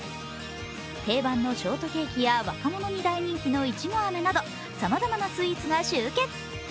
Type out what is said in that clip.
定番のショートケーキや若者に大人気のいちご飴などさまざまなスイーツが集結。